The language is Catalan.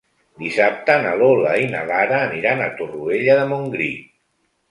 Dissabte na Lola i na Lara aniran a Torroella de Montgrí.